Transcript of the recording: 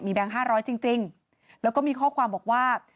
แก๊ง๕๐๐จริงแล้วก็มีข้อความบอกว่า